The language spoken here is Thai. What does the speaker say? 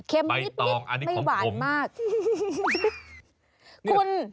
เค็มนิดไม่หวานมากไปต่ออันนี้ของผม